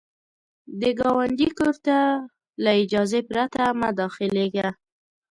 د ګاونډي کور ته له اجازې پرته مه داخلیږه